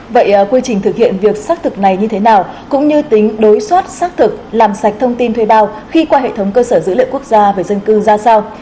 vậy quy trình thực hiện việc xác thực này như thế nào cũng như tính đối soát xác thực làm sạch thông tin thuê bao khi qua hệ thống cơ sở dữ liệu quốc gia về dân cư ra sao